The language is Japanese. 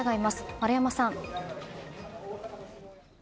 丸山さん。